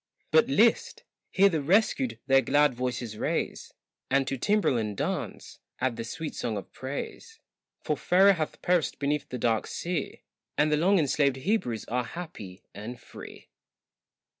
But list! hear the rescued their glad voices raise, And to timbrel and dance add the sweet song of praise, For Pharaoh hath perished beneath the dark sea, And the long enslaved Hebrews are happy and free.